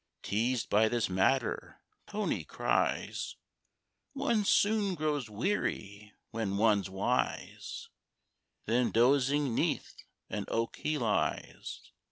Teased by this matter, Tony cries, "One soon grows weary when one's wise;" Then dozing 'neath an oak he lies.